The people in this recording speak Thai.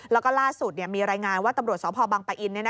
แล้วก็ล่าสุดมีรายงานว่าตำรวจสพบังปะอิน